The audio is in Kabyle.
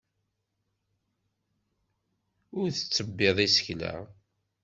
Ur tettebbiḍ isekla.